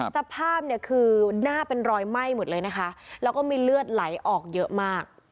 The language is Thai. สภาพเนี่ยคือหน้าเป็นรอยไหม้หมดเลยนะคะแล้วก็มีเลือดไหลออกเยอะมาก